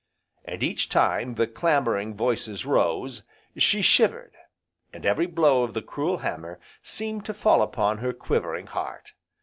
And, each time the clamouring voices rose, she shivered, and every blow of the cruel hammer seemed to fall upon her quivering heart.